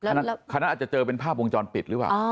คันนั้นอาจจะเจอเป็นภาพวงจรปิดหรือเปล่า